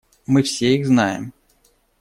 Мы все их знаем.